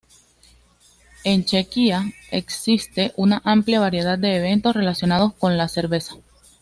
En Chequia existe una amplia variedad de eventos relacionados con la cerveza.